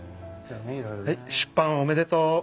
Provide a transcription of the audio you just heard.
はい出版おめでとう。